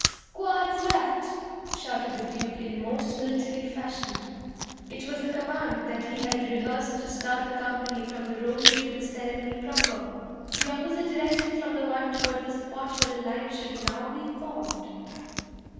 'Squads left!' shouted the Duke in most military fashion. It was the command that he had rehearsed to start the company from the roadway to the ceremony proper the opposite direction from the one toward the spot where the line should now be formed.